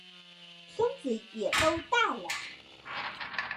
孙子也都大了